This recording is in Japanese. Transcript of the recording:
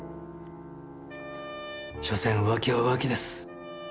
しょせん浮気は浮気です。